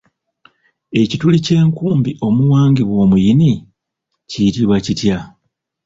Ekituli ky'enkumbi omuwangibwa omuyini kiyitibwa kitya?